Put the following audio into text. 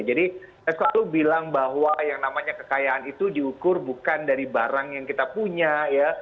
jadi esko lu bilang bahwa yang namanya kekayaan itu diukur bukan dari barang yang kita punya ya